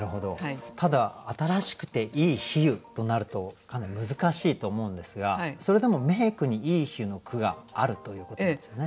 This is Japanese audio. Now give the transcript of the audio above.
ただ新しくていい比喩となるとかなり難しいと思うんですがそれでも名句にいい比喩の句があるということですよね？